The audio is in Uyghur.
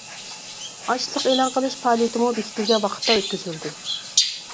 ئاچلىق ئېلان قىلىش پائالىيىتىمۇ بېكىتىلگەن ۋاقىتتا ئۆتكۈزۈلدى.